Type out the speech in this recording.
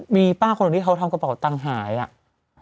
มีป้าคนที่เขาทำกระเป๋าตังหายอ่ะ